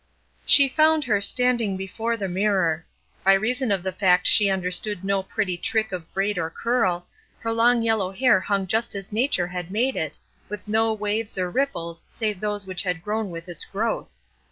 She found her standing before the mirror. By reason of the fact that she understood no pretty trick of braid or curl, her long yellow hair hung just as Nature had made it, with no waves or ripples save those which had grown with its growth.